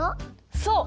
そう！